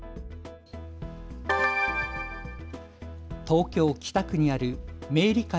東京北区にある明理会